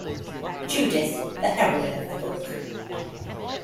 Judith, the heroine of the book.